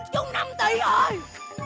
dùng năm tỷ thôi